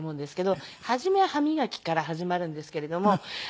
初めは歯磨きから始まるんですけれども。